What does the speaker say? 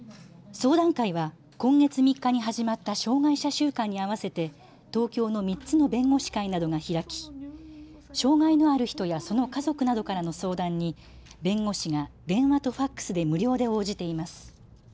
相談会は今月３日に始まった障害者週間に合わせて東京の３つの弁護士会などが開き、障害のある人やその家族などからの相談に弁護士が電話とＦＡＸで無料で応じています。